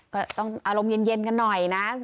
ก็ต้องอารมณ์เย็นกันหน่อยนะ